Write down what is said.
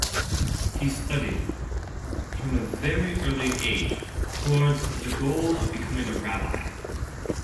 He studied, from a very early age, towards the goal of becoming a rabbi.